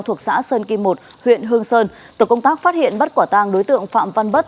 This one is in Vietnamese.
thuộc xã sơn kim một huyện hương sơn tổ công tác phát hiện bắt quả tang đối tượng phạm văn bất